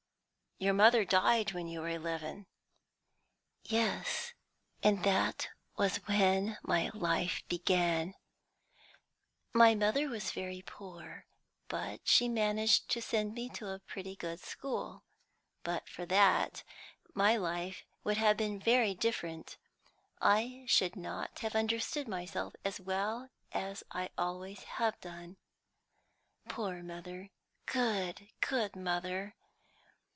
"Your mother died when you were eleven!" "Yes, and that was when my life began. My mother was very poor, but she managed to send me to a pretty good school. But for that, my life would have been very different; I should not have understood myself as well as I always have done. Poor mother, good, good mother!